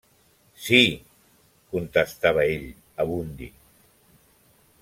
-Sí…- contestava ell, Abundi.